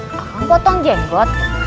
kamu potong jenggot